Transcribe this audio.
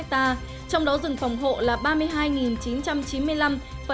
trong đó rừng phòng hộ là ba mươi hai chín trăm chín mươi năm ba mươi tám ha